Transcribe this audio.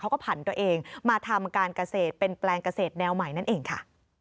ผ่านตัวเองมาทำการเกษตรเป็นแปลงเกษตรแนวใหม่นั่นเองค่ะ